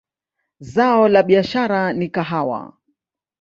Zao la biashara ni kahawa.